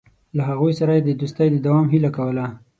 له هغوی سره یې د دوستۍ د دوام هیله کوله.